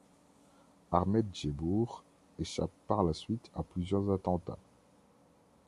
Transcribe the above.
Ahmed Djebbour échappe par la suite à plusieurs attentats.